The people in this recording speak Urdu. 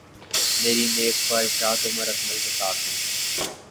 میری نیک خواہشات عمر اکمل کے ساتھ ہیں